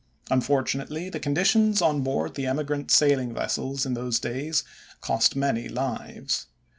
Unfortunately the conditions on board the emigrant sailing vessels in those days cost many lives.